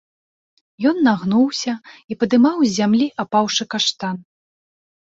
Ён нагнуўся і падымаў з зямлі апаўшы каштан.